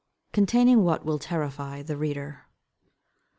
_Containing what will terrify the reader.